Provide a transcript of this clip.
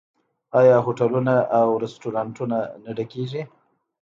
آیا هوټلونه او رستورانتونه نه ډکیږي؟